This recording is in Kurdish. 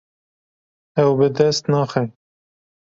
Ew bi dest naxe.